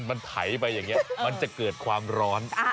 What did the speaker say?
มันไถไปอย่างนี้มันจะเกิดความร้อน